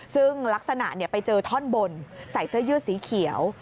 ซึ่งลักษณะไปเจอท่อนบนใส่เสื้อยืดสีเขียว